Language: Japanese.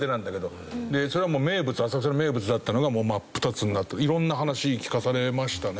それはもう名物浅草の名物だったのがもう真っ二つになったいろんな話聞かされましたね。